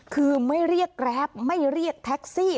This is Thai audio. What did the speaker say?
คือไม่เรียกแกรปไม่เรียกแท็กซี่